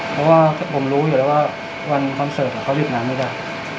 เพราะว่าผมรู้อยู่แล้วว่าวันคอนเสิร์ตเขาหยุดงานไม่ได้